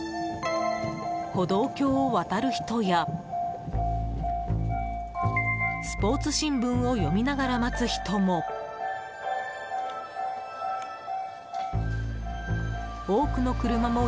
歩道橋を渡る人やスポーツ新聞を読みながら待つ人も。